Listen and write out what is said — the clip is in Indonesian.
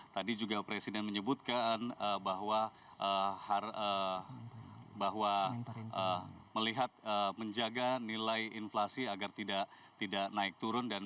tadi juga presiden menyebutkan bahwa melihat menjaga nilai inflasi agar tidak naik turun